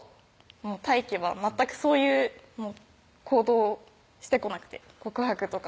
太貴は全くそういう行動してこなくて告白とか